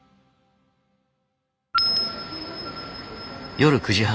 夜９時半。